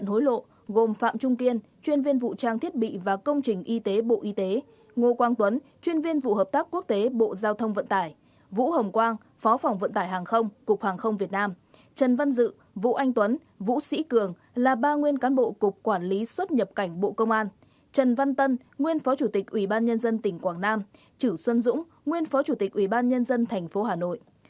hối lộ gồm phạm trung kiên chuyên viên vụ trang thiết bị và công trình y tế bộ y tế ngô quang tuấn chuyên viên vụ hợp tác quốc tế bộ giao thông vận tải vũ hồng quang phó phòng vận tải hàng không cục hàng không việt nam trần văn dự vũ anh tuấn vũ sĩ cường là ba nguyên cán bộ cục quản lý xuất nhập cảnh bộ công an trần văn tân nguyên phó chủ tịch ủy ban nhân dân tỉnh quảng nam trữ xuân dũng nguyên phó chủ tịch ủy ban nhân dân thành phố hà nội